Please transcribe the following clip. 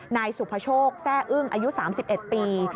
นายสุภโชคแซ่อึ้งอายุ๓๑ปี